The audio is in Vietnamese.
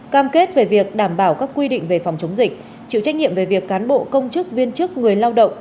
cam kết về việc đảm bảo các quy định về phòng chống dịch chịu trách nhiệm về việc cán bộ công chức viên chức người lao động